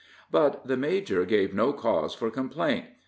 But the major gave no cause for complaint.